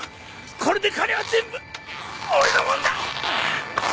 これで金は全部俺のもんだ！